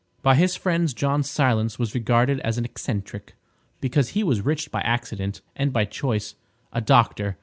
By his friends John Silence was regarded as an eccentric, because he was rich by accident, and by choice—a doctor.